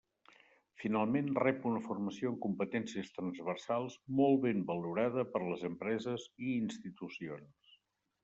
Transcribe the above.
Finalment, rep una formació en competències transversals molt ben valorada per les empreses i institucions.